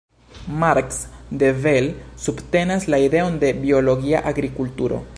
Marc De Bel subtenas la ideon de biologia agrikulturo.